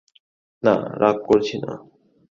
না, রাগ করছি না।